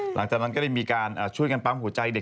หลังจากนั้นก็ได้มีการช่วยกันปั๊มหัวใจเด็ก